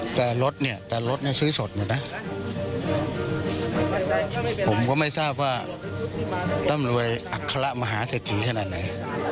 แต่รถเนี่ยแต่รถนั้นซื้อสดนะผมไม่ทราบว่าอัน่ำเวยอักษร้ามหาเสพติดขนาดไหน